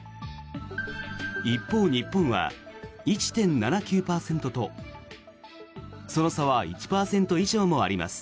一方、日本は１．７９％とその差は１％以上もあります。